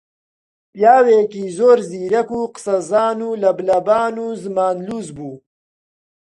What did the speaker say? پیاوێکی زۆر زیرەک و قسەزان و لەبلەبان و زمانلووس بوو